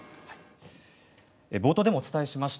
冒頭でもお伝えしました